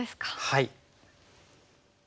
はい。